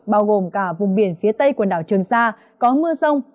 bao gồm cả vùng biển phía tây quần đảo trường sa có mưa rông